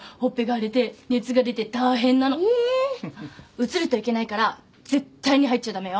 うつるといけないから絶対に入っちゃ駄目よ。